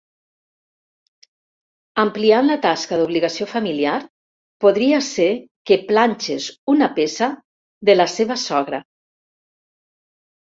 Ampliant la tasca d'obligació familiar, podria ser que planxes una peça de la seva sogra.